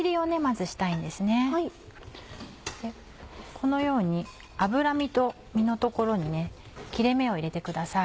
このように脂身と身の所に切れ目を入れてください。